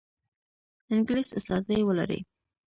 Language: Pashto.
انګلیس استازی ولري.